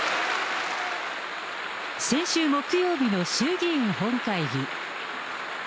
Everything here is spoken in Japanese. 先週木曜日の衆議院本会議。